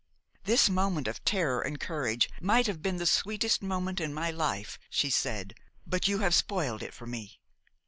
"This moment of terror and courage might have been the sweetest moment in my life," she said, "but you have spoiled it for me."